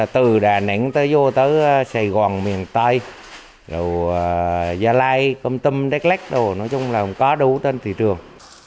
từ đà nẵng tới vô tới sài gòn miền tây rồi gia lai công tâm đếch lách nói chung là có đủ trên thị trường